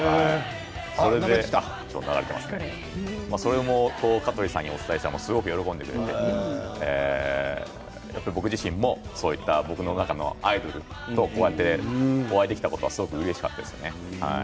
今、流れていますけれどもそれを香取さんにお伝えしたらすごく喜んでくれて僕自身もそういった僕の中のアイドルとこうやってお会いできたことはすごくうれしかったですね。